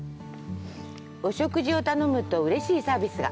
お食事を頼むと、うれしいサービスが。